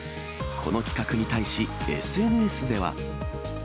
この企画に対し、ＳＮＳでは。